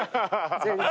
全然。